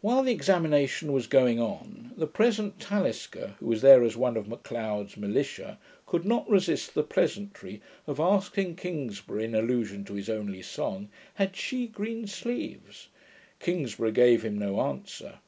While the examination was going on, the present Talisker, who was there as one of M'Leod's militia, could not resist the pleasantry of asking Kingsburgh, in allusion to his only song, 'Had she GREEN SLEEVES?' Kingsburgh gave him no answer.